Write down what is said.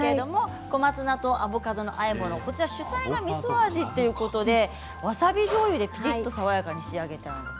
小松菜とアボカドのあえ物主菜がみそ味ということでわさびじょうゆでピリっと爽やかに仕上げてあります。